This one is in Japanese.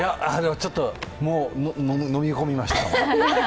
ちょっともう飲み込みました。